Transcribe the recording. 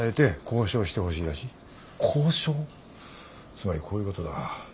つまりこういうことだ。